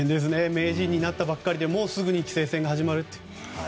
名人になったばっかりでもうすぐに棋聖戦が始まるって。